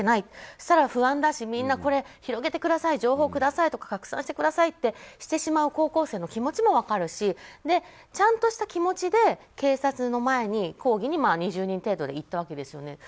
そうしたら不安だし広げてくださいとか情報をくださいとか拡散してくださいとかしてしまう高校生の気持ちも分かるしちゃんとした気持ちで警察の前に抗議に２０人程度で行ったわけですよね。